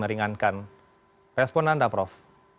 meringankan respon anda prof